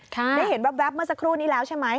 ได้เห็นแว๊บเมื่อสักครู่นี้แล้วใช่ไหม